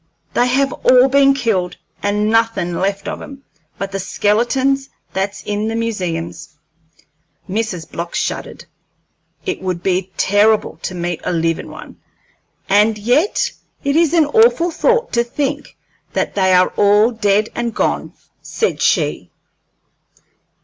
They have all been killed, and nothin' left of 'em but the skeletons that's in the museums." Mrs. Block shuddered. "It would be terrible to meet a livin' one, and yet it is an awful thought to think that they are all dead and gone," said she.